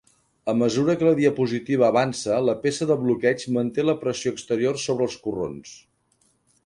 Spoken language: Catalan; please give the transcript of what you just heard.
A mesura que la diapositiva avança, la peça de bloqueig manté la pressió exterior sobre els corrons.